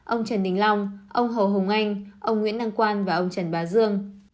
ông trần đình long ông hồ hùng anh ông nguyễn đăng quan và ông trần bá dương